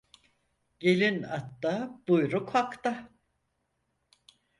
Gelin atta buyruk Hak'ta.